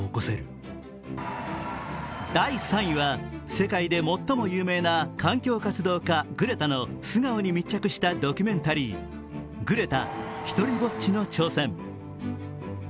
世界で最も有名な環境活動家グレタの素顔に密着したドキュメンタリー「グレタひとりぼっちの挑戦」。